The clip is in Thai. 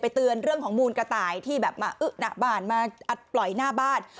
เตือนเรื่องของมูลกระต่ายที่แบบมาอึ๊ะหน้าบ้านมาอัดปล่อยหน้าบ้าน